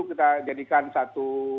kita jadikan satu